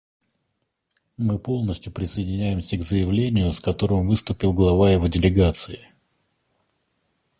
Мы полностью присоединяемся к заявлению, с которым выступил глава его делегации.